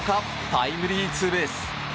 タイムリーツーベース。